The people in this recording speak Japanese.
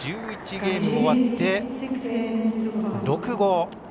ゲーム終わって６−５。